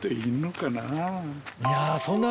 いやそんな。